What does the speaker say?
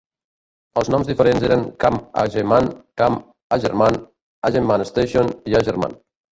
Els noms diferents eren Camp Hageman, Camp Hagerman, Hageman Station i Hagerman.